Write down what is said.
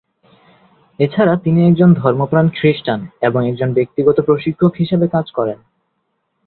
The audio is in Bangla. এছাড়া, তিনি একজন ধর্মপ্রাণ খ্রিস্টান এবং একজন ব্যক্তিগত প্রশিক্ষক হিসেবে কাজ করেন।